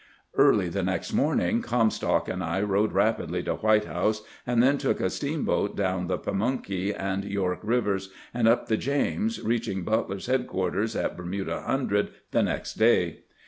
Early the next morning Comstock and I rode rapidly to "White House, and then took a steamboat down the Pamunkey and York rivers, and up the James, reaching Butler's headquarters at Bermuda Hundred the next day.